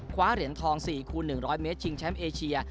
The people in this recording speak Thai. คว้าเหรียญทอง๔คูณ๑๐๐เมตรชิงแชมป์เอเชีย